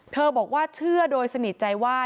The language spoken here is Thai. บอกว่าเชื่อโดยสนิทใจว่า